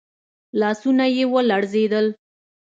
لاسونه يې ولړزېدل.